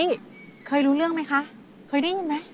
เคยรู้เรื่องไหมคะเคยได้ยินไหม